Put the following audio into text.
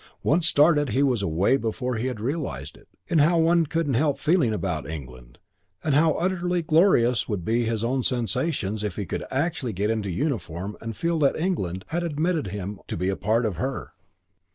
Once started, he was away before he had realised it, in how one couldn't help feeling about England and how utterly glorious would be his own sensations if he could actually get into uniform and feel that England had admitted him to be a part of her.